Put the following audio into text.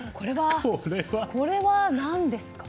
これは何ですか？